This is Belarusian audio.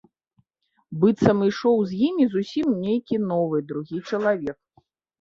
Быццам ішоў з імі зусім нейкі новы, другі чалавек.